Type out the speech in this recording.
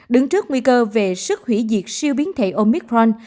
đứng trước nguy cơ về sức hủy diệt siêu biến thể omicron